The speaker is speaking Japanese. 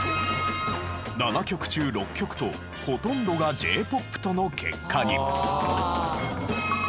７曲中６曲とほとんどがＪ−ＰＯＰとの結果に。